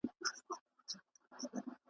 کار چي څوک بې استاد وي بې بنیاد وي .